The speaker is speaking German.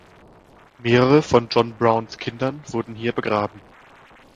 Mehrere von John Browns Kinder wurden hier begraben.